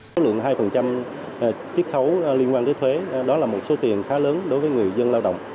số lượng hai chiếc khấu liên quan tới thuế đó là một số tiền khá lớn đối với người dân lao động